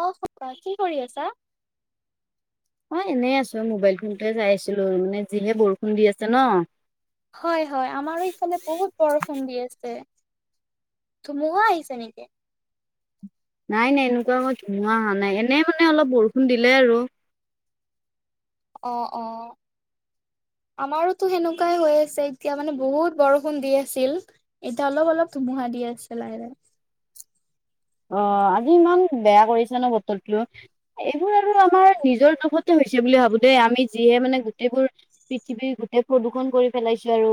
অ' খ কি কৰি আছা? অ, এনেই আছোঁ মোবাইল ফোনটোৱে চাই আছিলোঁ, মানে যিহে বৰষুণ দি আছে ন। হয়, হয়, আমাৰো এইফালে বহুত বৰষুণ দি আছে। ধুমুহা আহিছে নেকি? নাই, নাই এনেকুৱাকৈ ধুমুহা অহা নাই, এনেই মানে অলপ বৰষুণ দিলে আৰু। অ', অ'। আমাৰোতো সেনেকুৱাই হৈ আছে, এতিয়া মানে বহুত বৰষুণ দি আছিল। এতিয়া অলপ, অলপ ধুমুহা দি আছে লাহে, লাহে। অ', আজি ইমান বেয়া কৰিছো ন বতৰটো এইবোৰ আৰু আমাৰ নিজৰ দুখতে হৈছে বুলি ভাবো দেই আমি যিহে মানে গোটেইবোৰ পৃথিৱীৰ গোটেই প্ৰদূষণ কৰি পেলাইছো আৰু,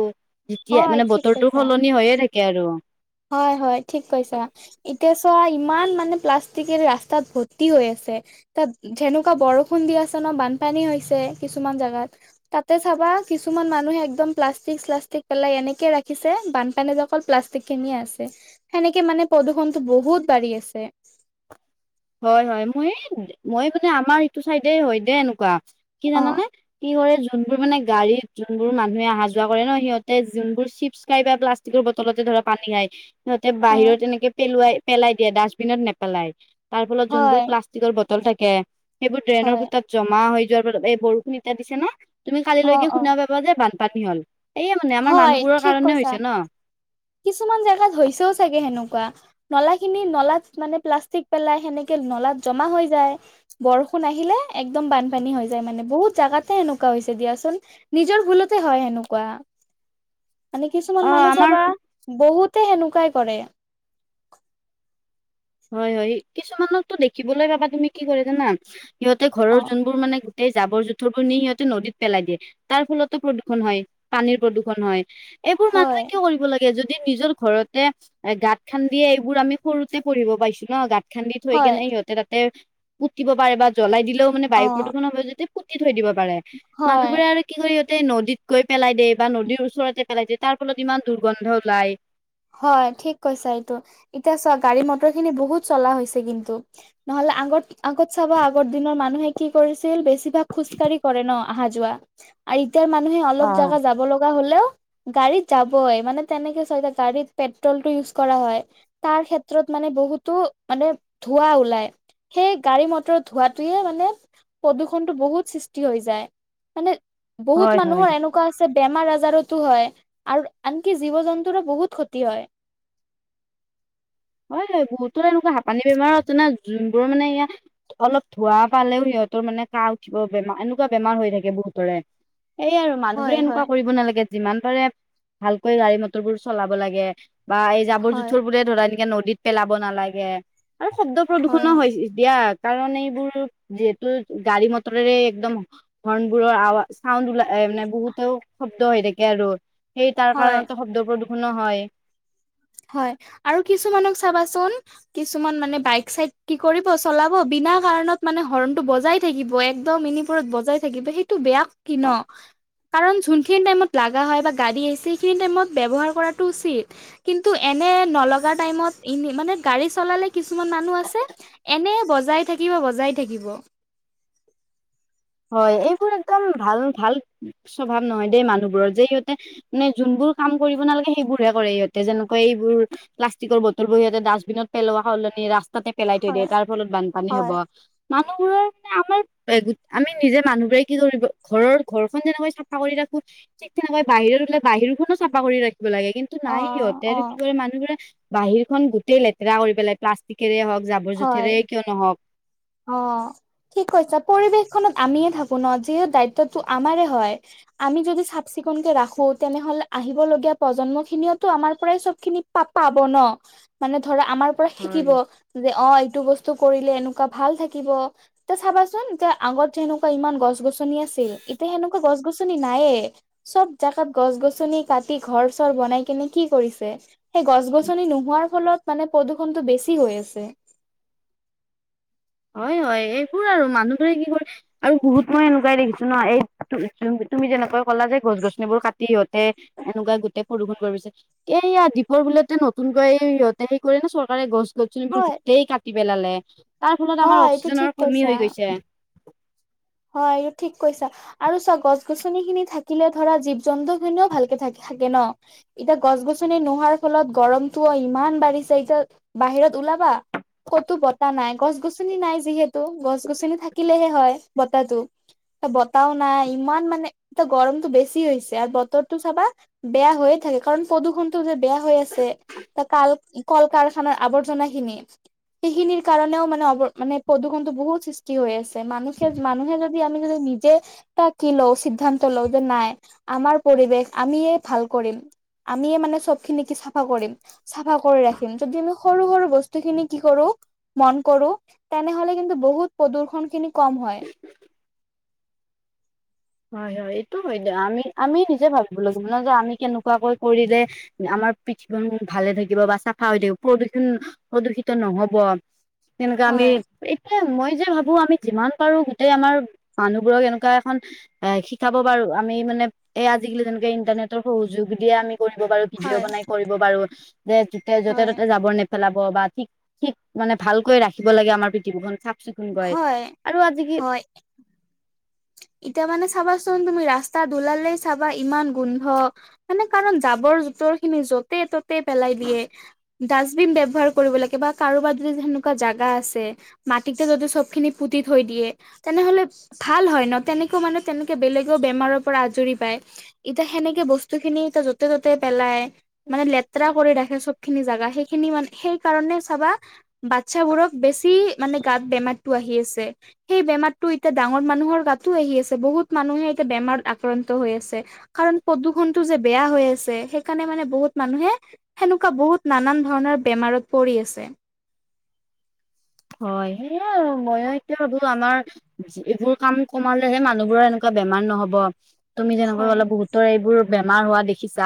যেতিয়া হয় মানে ঠিক বতৰটো কৈছা। সলনি হৈয়ে থাকে আৰু। হয়, হয় ঠিক কৈছা। এতিয়া চোৱা, ইমান মানে প্লাষ্টিকে ৰাস্তাত ভৰ্তি হৈ আছে। তাত যেনেকুৱা বৰষুণ দি আছে ন, বানপানী হৈছে কিছুমান জেগাত। তাতে চাবা কিছুমান মানুহে একদম প্লাষ্টিক-শ্লাষ্টিক পেলাই এনেকে ৰাখিছে, বানপানী যে অকল প্লাষ্টিক কেনিয় আছে সেনেকে মানে প্ৰদূষণটো বহুত বাঢ়ি আছে। হয়, হয়, মই, মই মানে আমাৰ ইটো চাইডে হয় দে এনেকুৱা। কি অ', জানানে? কি কৰে, যোনবোৰ মানে গাড়ীত যোনবোৰ মানুহে অহা-যোৱা কৰে ন, সিহঁতে যোনবোৰ চিপছ খাই বা প্লা বটলতে ধৰা পানী খায়। সিহঁতে অ', বাহিৰত এনেকে পেলোৱাই পেলাই দিয়ে। ডাষ্টবিনত নেপেলাই, তাৰ ফলত হয় যোনবোৰ প্লাষ্ট কৰ বটল থাকে, সেইবোৰ ড্ৰেইনৰ হয় ফুটাত জমা হৈ যোৱাৰ ফলত, এই বৰষুণ এতিয়া দিছে ন। তুমি অ', কালিলৈকে অ', শুনা পাবা যে বানপানী হ'ল, এইয়ে মানে আমাৰ হয় মানুহবোৰৰ ঠিক কাৰণে কৈছা। হৈছে ন। কিছুমান জেগাত হৈছেও চাগে সেনেকুৱা। নলা খিনি, নলাত মানে প্লাষ্টিক পেলাই সেনেকে নলাত জমা হৈ যায়। বৰষুণ আহিলে একদম বানপানী হৈ যায়, মানে বহুত জেগাতে এনেকুৱা হৈছে দিয়াচোন। নিজৰ ভুলতে হয় সেনেকুৱা। মানে কিছুমান অ মানুহ আমাৰ চাবা, বহুতে সেনেকুৱাই কৰে। হয়, হয় কিছুমানকটো দেখিবলৈ পাবা, তুমি কি কৰে জানা, সিহঁতে অ ঘৰৰ যোনবোৰ মানে এই জাবৰ-জোথৰবোৰ নি সিহঁতে নদীত পেলাই দিয়ে। তাৰ ফলতো প্ৰদূষণ হয়, পানীৰ প্ৰদূষণ হয়। এইবোৰ হয় মানুহে কিয় কৰিব লাগে, যদি নিজৰ ঘৰতে গাঁত খান্দিয়ে এইবোৰ আমি সৰুতে পঢ়িব পাইছোঁ ন, গাঁত খান্দি থৈ হয় কিনে সিহঁতে তাতে পুতিব পাৰে বা জ্বলাই দিলেও মানে অ বায়ু প্ৰদূষণ হয় যদি পুতি থৈ দিব পাৰে। হয় মানুহবোৰে আৰু কি কৰে ই, নদীত গৈ পেলাই দিয়ে বা নদীৰ ওচৰতে পেলাই দিয়ে, তাৰ ফলত ইমান দুৰ্গন্ধ ওলায়। হয়, ঠিক কৈছা এইটো, এতিয়া চাওঁক গাড়ী-মটৰ খিনি বহুত চলা হৈছে। কিন্তু নহ'লে আগত, আগত চাবা আগৰ দিনৰ মানুহে কি কৰিছিল, বেছিভাগ খোজকাঢ়ি কৰে ন আহা-যোৱা। আৰু, এতিয়া মানুহে অলপ অ জাগা যাব লগা হ'লেও, গাড়ীত যাবই। মানে তেনেকে চলি গড়ীতে পেট্ৰ'লটো ইউজ কৰা হয়। তাৰ ক্ষেত্ৰত মানে বহুতো মানে ধোঁৱা ওলাই। সেই গাড়ী-মটৰ ধোঁৱাটোৱে মানে প্ৰদূষণটো বহুত সৃষ্টি হৈ যায়। মানে, হয় বহুত হয় মানুহৰ এনেকুৱা এনেকুৱা আছে, বেমাৰ আজাৰতো হয় আৰু আনকি জীৱ-জন্তুৰো বহুত ক্ষতি হয়। হয়, হয়, বহুতো তেনেকুৱা হাপানী বেমাৰো আছে না। যোনবোৰ মানে ইয়াত অলপ ধোঁৱা পালেও সিহঁতৰ মানে কাঁহ উঠিব, বেমাৰ এনেকুৱা বেমাৰ হৈ থাকে বহুতৰে। এই আৰু হয়, মানুহবোৰে হয়, এনেকুৱা কৰিব নালাগে, যিমান পাৰে ভালকৈ গাড়ী-মটৰবোৰ চলাব লাগে। বা এই হয়, জাবৰ-জোথৰবোৰে ধৰা এনেকে নদীত পেলাব নালাগে, আৰু শব্দ হয়, প্ৰদূষণো হৈছে। দিয়া কাৰণ, এইবোৰ যিহেতু গাড়ী-মটৰেৰে একদম হৰ্ণবোৰৰ আৱাছ চাউণ্ড ওলাই মানে বহুতেও শব্দ হৈ থাকে আৰু। সেই তাৰ হয়, কাৰণটো শব্দ প্ৰদূষনো হয়। হয়, আৰু কিছুমানক চাবাচোন কিছুমান মানে বাইক চাইক কি কৰিব চলাব, বিনা কাৰণত মানে হৰ্ণটো বজাই থাকিব, একদম ইনি [unintelligible] বজাই থাকিব সেইটো বেয়া কথা ন'। কাৰণ যোনখিনি টাইমত লগা হয়, বা গাড়ী আহিছে, সেইখিনি টাইমত ব্যৱহাৰ কৰাটো উচিত। কিন্তু, এনে নলগা টাইমত, এনে মানে গাড়ী চলালে কিছুমান মানুহ আছে এনেই বজাই থাকিব, বজাই থাকিব। হয়, এইবোৰ একদম ভাল, ভাল স্বভাৱ নহয় দেই, মানুহবোৰৰ যে ইহঁতে মানে যোনবোৰ কাম কৰিব নালাগে সেইবোৰ হে কৰে সিহঁতে, যেনেকুৱা এইবোৰ প্লাষ্টিকৰ বটলবোৰ সিহঁতে ডাষ্টবিনতো পেলোৱাৰ হ'লনি ৰাস্তা তাতে পেলাই থৈ দিয়ে, হয় তাৰ ফলত বানপানী হ'ব, হয় মানুহবোৰৰ মানে আমাৰ আমি নিজে মানুহবোৰে কি কৰিব, ঘৰৰ ঘৰখন যেনেকৈ চাফা কৰি ৰাখো ঠিক তেনেকৈ বাহিৰত হ'লে বাহিৰ খনো চাফা কৰি ৰাখিব লাগে, কিন্তু অ নাই সিহঁতে, অ আৰু কি কৰে মানুহবোৰে বাহিৰ খন গোটই লেতেৰা কৰি পেলাই, প্লাষ্টিকেৰে হওক যাব বৰ হয় জুথৰে কিয় নহওঁক। অ', ঠিক কৈছাঁ, পৰিৱেশখনত আমিয়ে থাকো ন', যিহেতু দায়িত্বটো আমাৰে হয়। আমি যদি চাফ চিকুনকে ৰাখো, তেনেহলে আহিব লগীয়া প্ৰজন্ম খিনিও টো আমাৰ পৰাই চব খিনি পা পাব ন', মানে ধৰা আমাৰ পৰা হয় শিকিব, যে অ', এইটো বস্তু কৰিলে এনেকুৱা ভাল থাকিব, ত' চাবাচোন এয়া আগত যেনেকুৱা ইমান গছ গছ-গছনি আছিল, এতিয়া সেনেকুৱা গছ গছনি নাইয়ে, চব জেগাত গছ গছনি কাটি, ঘৰ চৰ বনাইকিনে কি কৰিছে। সেই গছ গছনি নোহোৱাৰ ফলত মানে, প্ৰদূষণটো বেছি হৈ আছে। হয় হয়, এইবোৰ আৰু মানুহবোৰে কি কৰে আৰু বহুত মই এনেকুৱাই দেখিছো ন', এই তুমি যেনেকৈ ক'লা যে গছ গছনিবোৰ কাটি ইহঁতে এনেকুৱা গোটেই প্ৰদূষণ কৰিছে এই ইয়াত দ্বীপৰ বিলতে, নতুনকৈ ইহঁতে হেৰি কৰে ন', চৰকাৰে গছ গছনিবোৰ হয় গোটেই কাটি পেলালে, তাৰ ফলত আমাৰ হয় এইটো ঠিক অক্সিজেনৰ কমি কৈছা। হৈ গৈছে। হয়, এইটো ঠিক কৈছা। আৰু চোৱা গছ গছনি খিনি থাকিলে ধৰা, জীৱ জন্তু খিনিও ভালকে থাকে, থাকে ন'। এতিয়া গছ গছনি নোহোৱাৰ ফলত, গৰমটো ইমান বাঢ়িছে, এতিয়া বাহিৰত ওলাবা? ক'তো বতাহ নাই, গছ গছনি নাই যিহেতু, গছ গছনি থাকিলেহে হয় বতাহটো। বতাহও নাই, ইমান মানে এয়া গৰমতটো বেছি হৈছে, আৰু বতৰটো চাবা বেয়া হৈয়ে থাকে, কাৰণ প্ৰদূষণটো যে বেয়া হৈ আছে। কাল, কল কাৰখানাৰ আৱৰ্জনাখিনি সেইখিনিৰ কাৰণেও মানে, অ', মানে প্ৰদূষণটো বহুত সৃষ্টি হৈ আছে, মানুহ মানুহে যদি, আমি যদি নিজে কি লওঁ, সিদ্ধান্ত লওঁ, যে নাই আমাৰ পৰিৱেশ আমিয়ে ভাল কৰিম। আমিয়েই মানে চব খিনি কি চাফা কৰিম, চাফা কৰি ৰাখিম। যদি আমি সৰু সৰু বস্তু খিনি কি কৰোঁ মন কৰোঁ, তেনেহ'লে কিন্তু বহুত প্ৰদূ্ষণ খিনি কম হয়। হয় হয়। এইটো হয়, আমি, আমি নিজে ভাবিব লাগিব ন', যে, আমি কেনেকুৱাকৈ কৰিলে আমাৰ পৃথিৱীখন ভালে থাকিব, বা চাফা হৈ থাকিব, প্ৰদূষণ, প্ৰদূষিত নহব। তেনেকে আমি হয় মই যে ভাবোঁ, আমি যিমান পাৰোঁ গোটেই আমাৰ, মানুহবোৰক এনেকুৱা এখন এ শিকাব পাৰো, আমি মানে এই আজিকালি যেনেকে, ইণ্টাৰনেটৰ সহযোগ দিয়েই আমি কৰিব পাৰো, ভিডিঅ' হয় বনাই কৰিব পাৰোঁ, যে, য'তে হয় ততে জাৱৰ নে পেলাব, বা ঠিক, ঠিক মানে ভালকৈ ৰাখিব লাগে আমাৰ পৃথিৱীখন, চা চিকুণ কৈ, হয় আৰু আজি কি হয় এতিয়া মানে চাবাচোন, তুমি ৰাস্তা ওলালেই চাবা, ইমান গোন্ধ। মানে কাৰণ জাবৰ জোথৰ খিনি, য'তে ত'তেই পেলাই দিয়ে। ডাষ্টবিন ব্যৱহাৰ কৰিব লাগে, বা কাৰোবাৰ যদি সেনেকুৱা জাগা আছে, মাটিতে যদি চবখিনি পুতি থৈ দিয়ে, তেনেহ'লে ভাল হয় ন, তেনেকৈও মানে তেনেকে বেলেগও বেমাৰৰ পৰা আজৰি পায়। এতিয়া সেনেকে বস্তুখিনি এতিয়া য'তে-ত'তে পেলায়। মানে লেতেৰা কৰি ৰাখে চব খিনি জাগা। সেইখিনি মানে সেইকাৰণে চাবা বাচ্ছাবোৰক বেছি মানে গাত বেমাৰটো আহি আছে। সেই বেমাৰটো এতিয়া ডাঙৰ ডাঙৰ মানুহৰ গাতো আহি আছে। বহুত মানুহে এতিয়া বেমাৰত আক্ৰান্ত হৈ আছে। কাৰণ প্ৰদূৰ্ষণতো যে বেয়া হৈ আছে। সেইকাৰণে মানে বহুত মানুহে সেনেকুৱা বহুত না-নান ধৰণৰ বেমাৰত পৰি আছে। হয়, সেয়াই আৰু। ময়ো এতিয়া ভাবো আমাৰ ইবোৰ কাম কমালেহে মানুহবোৰৰ এনেকুৱা বেমাৰ নহ'ব। তুমি যেনেকৈ হয় ক'লা বহুতৰ এইবোৰ বেমাৰ হোৱা দেখিছা।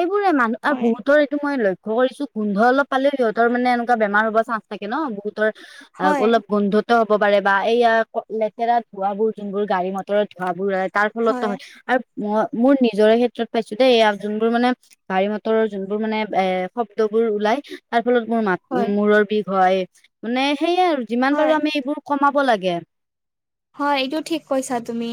এইবোৰেই মানুহৰ আৰু হয় বহুতৰ এইটো মই ল লক্ষ্য কৰিছো গোন্ধ অলপ পালেই সিহঁতৰ মানে এনেকুৱা বেমাৰ হ'ব চাঞ্চ থাকে ন বহুত। আৰু হয় অলপ গোন্ধত ত হ'ব পাৰে। বা এয়া লেতেৰা ধোৱাবোৰ, যোনবোৰ গাড়ী-মটৰত ধোৱাবোৰত তাৰ ফলতো হয়। আৰু মই মোৰ নিজৰে ক্ষেত্ৰত পাইছো দেই এয়া। যোনবোৰ মানে গাড়ী-মটৰৰ যোনবোৰ মানে এ শব্দবোৰ ওলাই, তাৰ ফলত মোৰ মাত হয় মূৰৰ বিষ হয়। মানে সেয়াই আৰু যিমান হয়। পাৰো আমি এইবোৰ কমাব লাগে। হয়। এইটো ঠিক কৈছা তুমি।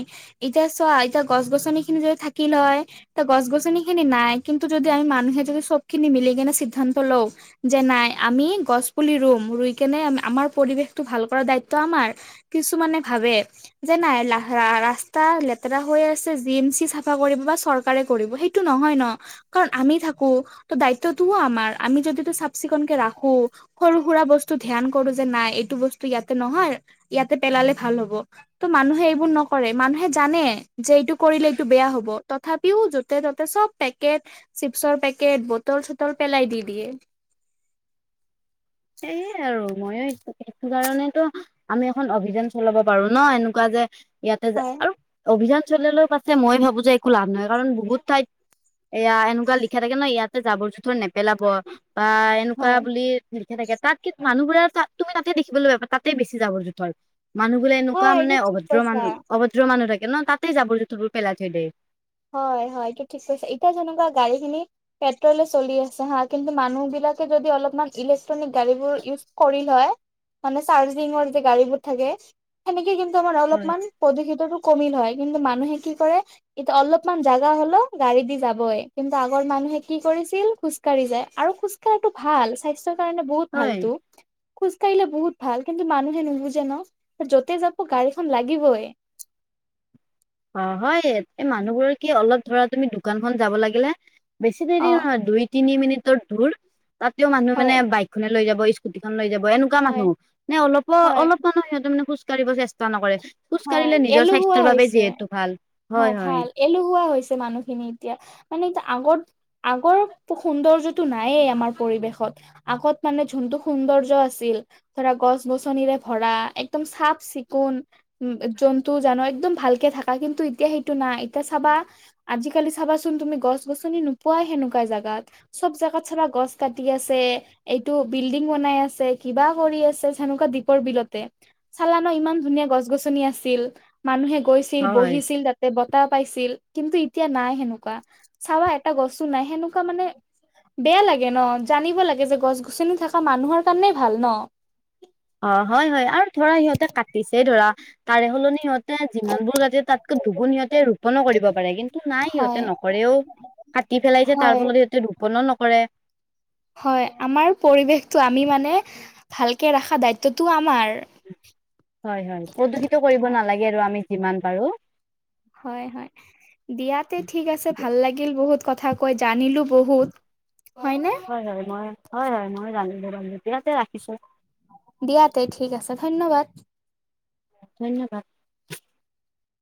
এতিয়া চোৱা এতিয়া গছ-গছনিখিনি যদি থাকিল হয় ত' গছ-গছনিখিনি নাই। কিন্তু যদি আমি মানুহে যদি চবখিনি মিলি কেনে চিদ্ধান্ত লওঁ যে নাই আমি গছ পুলি ৰুম। ৰুই কেনে আমাৰ পৰিৱেশটো ভাল কৰ দায়িত্ব আমাৰ। কিছুমানে ভাবে। যে নাই ৰাস্তা লেতেৰা হৈ আছে। জি এম চি চাফা কৰিব বা চৰকাৰে কৰিব। সেইটো টো নহয় ন। কাৰণ আমি থাকো। ত' দায়িত্বটোও আমাৰ। আমি যদি এইটো চাফ-চিকুণকে ৰাখো সৰু-সুৰা বস্তু ধ্যান কৰো যে নাই এইটো বস্তু ইয়াতেই নহয়, ইয়াতে পেলালে ভাল হ'ব। কিন্তু মানুহে এইবোৰ নকৰে। মানুহে জানে যে এইটো কৰিলে এইটো বেয়া হ'ব। তথাপিও য'তে ত'তে চব পেকেট, চিপচৰ পেকেট, বটল-চটল পেলাই দি দিয়ে। সেয়েই আৰু ময়ে সেইটো কাৰণেতো আমি এখন অভিযান চলাব পাৰো ন, এনেকুৱা যে ইয়াতে যা হয় আৰু অভিযান চলালেও পাছে মই ভাবো যে একো লাভ নহয়। কাৰণ বহুত ঠাইত এয়া এনেকুৱা লিখা থাকে ন, ইয়াতে জাবৰ-জোথৰ নেপেলাব বা এনেকুৱা হয় বুলি লিখা থাকে। তাত কি মানুহবোৰে তাত তুমি তাতে দেখিবলৈ পাবা, তাতেই বেছি যাবৰ-জোথৰ। মানুহবোৰে হয় এনেকুৱা মানে এইটো ঠিক অভদ্ৰ কৈছা। মানুহ, অভদ্ৰ মানুহ থাকে ন, তাতেই যাবৰ-জোথৰবোৰ পেলাই থৈ দিয়ে। হয় হয়। এইটো ঠিক কৈছে। এতিয়া যেনেকুৱা গাড়ীখিনি পেট্ৰলে চলি আছে হা। কিন্তু মানুহবিলাকে যদি অলপ মান ইলেক্ট্ৰনিক গাড়ীবিলাক ইউজ কৰিল হয় মানে চাৰ্জিঙৰ যে গাড়ীবোৰ থাকে। সেনেকে কিন্তু আমাৰ হয় অলপমান প্ৰদূষিতটো কমিল হয়। কিন্তু মানুহে কি কৰে এতিয়া অলপ মান জাগা হ'লেও গাড়ী দি যাবই। কিন্তু আগৰ মানুহে কি কৰিছিল খোজকাঢ়ি যায়। আৰু খোজ কাঢ়াটো ভাল, স্বাস্থ্যৰ কাৰণে বহুত হয়। ভালটো। খোজ কাঢ়িলে বহুত ভাল। কিন্তু মানুহে নুবুজে ন। য'তে যাব গাড়ীখন লাগিবই। অ', হয়। এই মানুহবোৰৰ কি অলপ ধৰা তুমি দোকানখন যাব লাগিলে বেছি অ দেৰি নহয় দুই-তিনি মিনিটৰ দূৰ তাতেও মানুহ মানে হয় বাইক খনে লৈ যাব, স্কুটিখন লৈ যাব এনেকুৱা হয় মানুহ। মানে অলপো হয় অলপমানো সিহঁতে খোজ কাঢ়িব চেষ্ট তা নকৰে। খোজ হয় কাঢ়িলে নিজৰ এলেহুৱা স্বাস্থ্যৰ বাবে হৈছে যিহেতু ভাল হয় অ', হয় ভাল। এলহুৱা হৈছে মানুহখিনি এতিয়া। মানে এটা আগৰ আগৰ সৌন্দৰ্যটো নায়ে আমাৰ পৰিৱেশত। আগত মানে যোনটো সৌন্দৰ্য আছিল। ধৰা গছ-গছনিৰে ভৰা, একদম চাফ-চিকুণ। উম, জন্তু-জানোৱাৰ একদম ভালকে থাকা। কিন্তু এতিয়া সেইটো নাই। এতিয়া চাবা আজিকালি চাবাচোন তুমি গছ-গছনি নোপোৱাই সেনেকুৱা জাগাত। চব জেগাত চাবা গছ কাটি আছে। এইটো বিল্ডিং বনাই আছে কিবা কৰি আছে সনেকুৱা দ্বীপৰ বিলতে। চালা ন ইমান ধুনীয়া গছ-গছনি আছিল, মানুহে গৈছিল হয় বহিছিল তাত বতাহ পাইছিল কিন্তু এতিয়া নাই সেনেকুৱা, চাৱা এটা গছো নাই সেনেকুৱা মানে বেয়া লাগে ন জানিব লাগে যে গছ-গছনি থকা মানুহৰ কাৰণেই ভাল ন। অ, হয়, হয় আৰু ধৰা সিহঁতে কাটিছেই ধৰা তাৰে সলনি সিহঁত যিমানবোৰ কাটে তাতকৈ দুগুণ সিহঁতে ৰোপনো কৰিব পাৰে, কিন্তু নাই সিহঁতে হয় নকৰেও কাটি পেলাইছে তাৰ হয় ফলত ইহঁতে ৰোপনো নকৰে। হয় আমাৰ পৰিৱেশটো আমি মানে ভালকে ৰখা দায়িত্বটো আমাৰ। হয়, হয়, প্ৰদূষিত কৰিব হয় নালাগে আৰু আমি যিমান পাৰো। হয়, হয়। দিয়াতে ঠিক আছে ভাল লাগিল বহুত কথা কৈ জানিলো বহুত, হয়নে? হয়, হয়, মই হয়, হয়, মই জানিলো বাৰু দিয়াতে ৰাখিছো। দিয়াতে ঠিক আছে ধন্যবাদ। ধন্যবাদ।